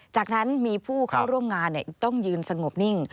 จากนั้นมีผู้เข้าร่วมงานต้องยืนสงบนิ่ง